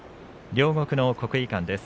両国の国技館です。